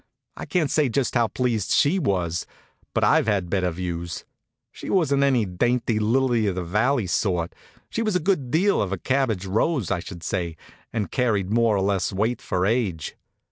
I can't say just how pleased she was, but I've had better views. She wasn't any dainty, lily of the valley sort. She was a good deal of a cabbage rose, I should say, and carried more or less weight for age.